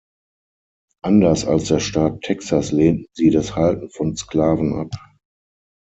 Anders als der Staat Texas lehnten sie das Halten von Sklaven ab.